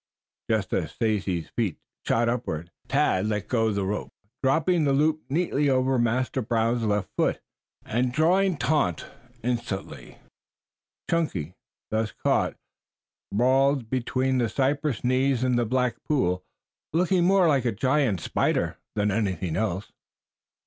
Just as Stacy's feet shot upward Tad let go the rope, dropping the loop neatly over Master Brown's left foot and drawing taut instantly. Chunky, thus caught, sprawled between the cypress knees and the black pool, looking more like a giant spider than anything else.